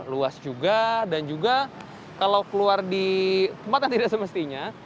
luas juga dan juga kalau keluar di tempat yang tidak semestinya